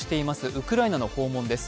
ウクライナの訪問です。